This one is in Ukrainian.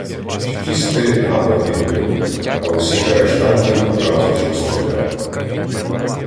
Чекісти напад відбили, а усіх арештантів одразу ж розстріляли.